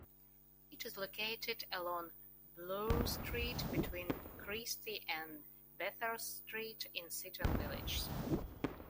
It is located along Bloor Street between Christie and Bathurst Streets in Seaton Village.